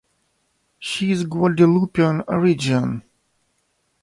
She is of Guadeloupean origin.